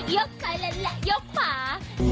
กซ้ายและยกขวา